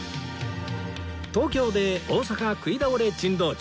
東京で大阪食い倒れ珍道中